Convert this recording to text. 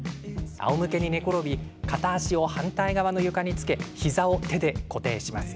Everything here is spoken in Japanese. あおむけに寝転び片足を反対側の床につけ膝を手で固定します。